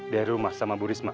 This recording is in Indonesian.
dari rumah sama bu risma